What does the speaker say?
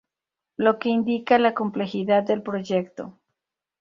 Lo que indica la complejidad del proyecto.